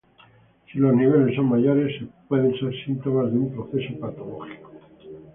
Si los niveles son mayores, puede ser síntoma de un proceso patológico.